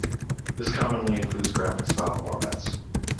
This commonly includes graphics file formats.